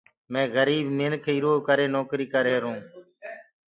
مينٚ گريٚب منکوٚنٚ ايٚرو ڪري نوڪريٚ ڪريهرونٚ۔